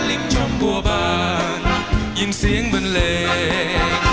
ลิ้มจมปัวบานยินเสียงบรรเลง